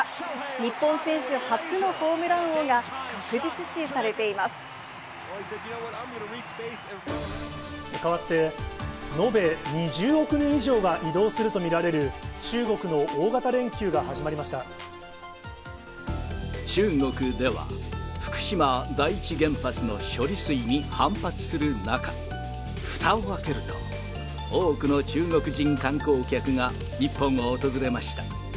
日本選手初のホームラン王が確実変わって、延べ２０億人以上が移動すると見られる、中国の大型連休が始まり中国では、福島第一原発の処理水に反発する中、ふたを開けると、多くの中国人観光客が日本を訪れました。